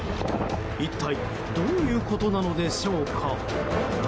一体どういうことなのでしょうか。